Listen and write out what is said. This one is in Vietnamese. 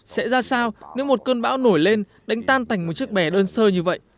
sẽ ra sao nếu một cơn bão nổi lên đánh tan thành một chiếc bè đơn sơ như vậy